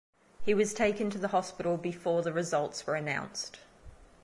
He was taken to the hospital before the results were announced.